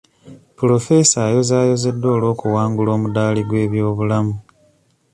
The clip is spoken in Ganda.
Pulofeesa ayozaayozeddwa olw'okuwangula omudaali gw'ebyobulamu.